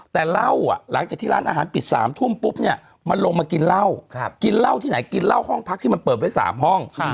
แต่เหล้าหลังจากที่ร้านอาหารปิด๓ทุ่มปุ๊บเนี่ยมันลงมากินเหล้ากินเหล้าที่ไหนกินเหล้าห้องพักที่มันเปิดไว้๓ห้อง